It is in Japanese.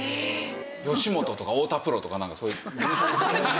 吉本とか太田プロとかそういう事務所ごとの。